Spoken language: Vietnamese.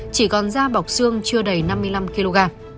chỉ còn da bọc xương chưa đầy năm mươi năm kg